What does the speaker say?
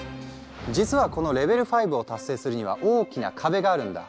実はこのレベル５を達成するには大きな壁があるんだ。